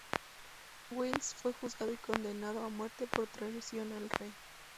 Wallace fue juzgado y condenado a muerte por traición al rey.